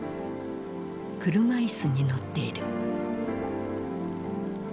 車椅子に乗っている。